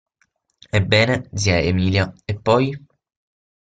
Ebbene, zia Emilia, e poi?